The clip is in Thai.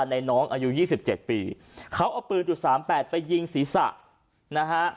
ในน้องอายุ๒๗ปีเขาเอาปืนจุดสามแปดไปยิงศีรษะนะฮะ